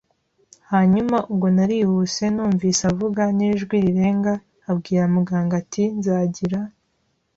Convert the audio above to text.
Hanyuma, ubwo narihuse, numvise avuga, n'ijwi rirenga, abwira muganga ati: "Nzagira